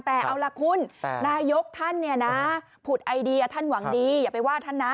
แต่เอาล่ะคุณนายกท่านเนี่ยนะผุดไอเดียท่านหวังดีอย่าไปว่าท่านนะ